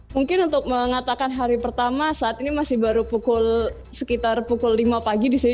mungkin untuk mengatakan hari pertama saat ini masih baru sekitar pukul lima pagi di sini